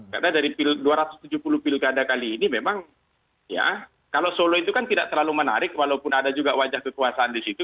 karena dari dua ratus tujuh puluh pilkada kali ini memang ya kalau solo itu kan tidak terlalu menarik walaupun ada juga wajah kekuasaan di situ